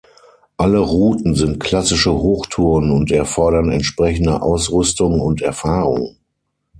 Alle Routen sind klassische Hochtouren und erfordern entsprechende Ausrüstung und Erfahrung.